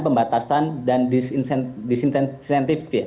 pembatasan dan disintensif